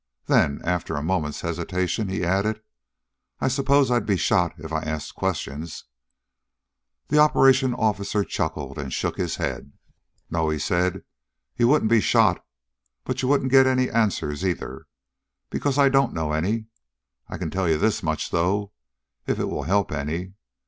Then, after a moment's hesitation, he added, "I suppose I'd be shot if I asked questions?" The operations officer chuckled and shook his head. "No," he said, "you wouldn't be shot. But you wouldn't get any answers, either. Because I don't know any. I can tell you this much, though, if it will help any.